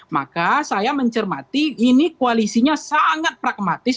maka saya mencermati ini koalisinya sangat pragmatis